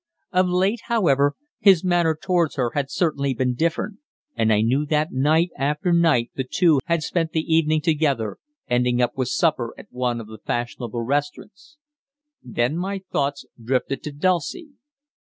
Of late, however, his manner towards her had certainly been different, and I knew that night after night the two had spent the evening together, ending up with supper at one of the fashionable restaurants. Then my thoughts drifted to Dulcie.